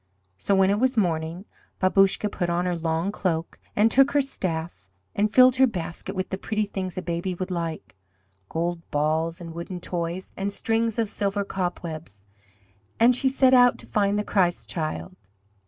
So when it was morning Babouscka put on her long cloak and took her staff, and filled her basket with the pretty things a baby would like gold balls, and wooden toys, and strings of silver cobwebs and she set out to find the Christ Child.